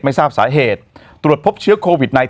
ไม่ทราบสาเหตุตรวจพบเชื้อโควิด๑๙